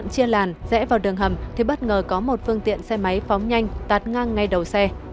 chia làn rẽ vào đường hầm thì bất ngờ có một phương tiện xe máy phóng nhanh tạt ngang ngay đầu xe